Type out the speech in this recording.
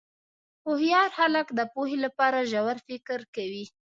هوښیار خلک د پوهې لپاره ژور فکر کوي.